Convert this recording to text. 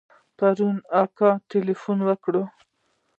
پرون مې اکا ته ټېلفون وکړ.